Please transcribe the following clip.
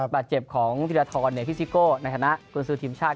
บาดเจ็บของธีรทรพิซิโก้ในฐานะกุญสือทีมชาติ